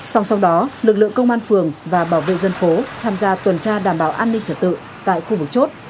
song song đó lực lượng công an phường và bảo vệ dân phố tham gia tuần tra đảm bảo an ninh trật tự tại khu vực chốt